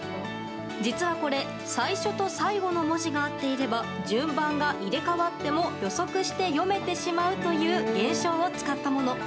実はこれ最初と最後の文字が合っていれば順番が入れ替わっても予測して読めてしまうという現象を使ったもの。